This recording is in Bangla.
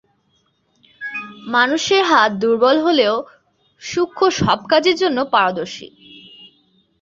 মানুষের হাত দুর্বল হলেও সূক্ষ্ম সব কাজের জন্য পারদর্শী।